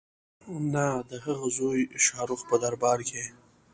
نه د هغه د زوی شاه رخ په دربار کې.